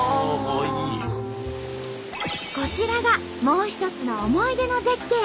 こちらがもう一つの思い出の絶景